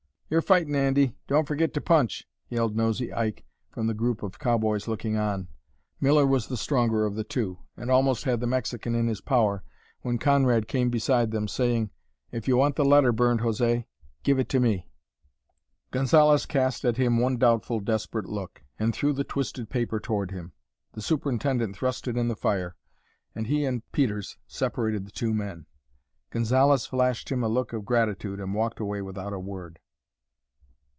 "You're fightin', Andy; don't fergit to punch!" yelled Nosey Ike from the group of cowboys looking on. Miller was the stronger of the two, and almost had the Mexican in his power when Conrad came beside them, saying, "If you want the letter burned, José, give it to me." Gonzalez cast at him one doubtful, desperate look, and threw the twisted paper toward him. The superintendent thrust it in the fire, and he and Peters separated the two men. Gonzalez flashed at him a look of gratitude and walked away without a word.